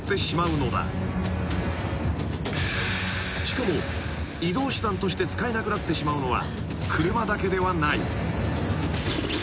［しかも移動手段として使えなくなってしまうのは］